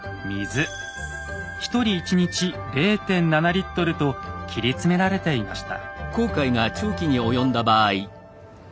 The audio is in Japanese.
１人１日０．７リットルと切り詰められていました。